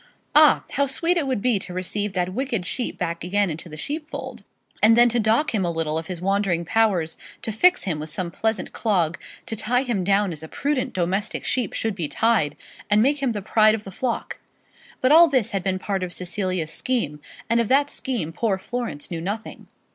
Ah, how sweet it would be to receive that wicked sheep back again into the sheepfold, and then to dock him a little of his wandering powers, to fix him with some pleasant clog, to tie him down as a prudent domestic sheep should be tied, and make him the pride of the flock! But all this had been part of Cecilia's scheme, and of that scheme poor Florence knew nothing.